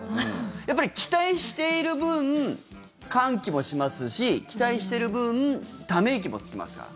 やっぱり期待している分歓喜もしますし期待している分ため息もつきますから。